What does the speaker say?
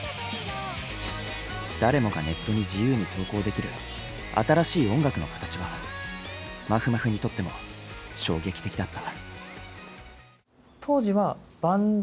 誰もがネットに自由に投稿できる新しい音楽の形はまふまふにとっても衝撃的だった。